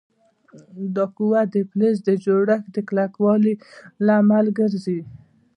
دا قوه د فلز د جوړښت د کلکوالي لامل ګرځي.